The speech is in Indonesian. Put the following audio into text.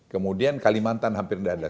kemudian kalimantan hampir tidak ada